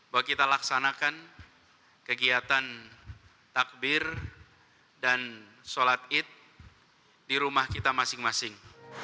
bahwa kita laksanakan kegiatan takbir dan sholat id di rumah kita masing masing